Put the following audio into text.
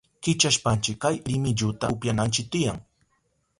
Kichashpanchi kay rimilluta upyananchi tiyan.